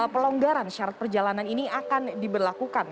pelonggaran syarat perjalanan ini akan diberlakukan